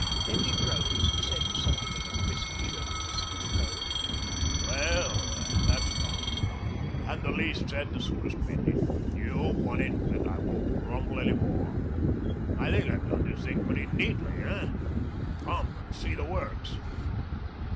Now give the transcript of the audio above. Then he rose, and said with something of brisk cheerfulness in his tone, "Well, that's done, and the least *' AVALANCHE BICYCLE AND TYRE C0.,LTD:' 193 said the soonest mended. You've won it, and I won't grumble any more. I think I've done this thing pretty neatly, oh ? Come and see the 'works.'"